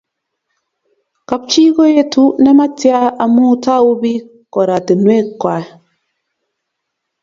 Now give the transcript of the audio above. Kapchii koetu nematia amu tau piik koratinwek kwai